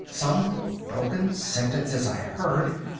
—some broken sentences I heard.